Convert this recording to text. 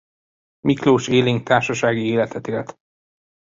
Miklós élénk társasági életet élt.